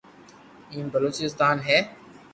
ايڪ بلوچستان ھي